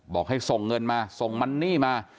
บอกให้ส่งเงินมาส่งมันนี่มา